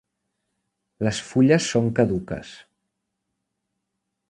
Les fulles són caduques.